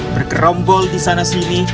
bergerombol di sana sini